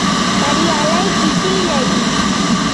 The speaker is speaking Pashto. بریالۍ کيسې لري.